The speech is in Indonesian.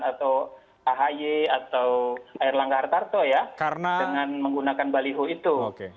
atau ahy atau air langga hartarto ya dengan menggunakan baliho itu